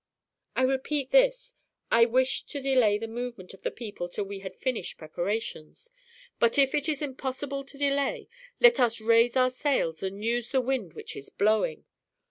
"I repeat this: I wished to delay the movement of the people till we had finished preparations. But if it is impossible to delay, let us raise our sails and use the wind which is blowing.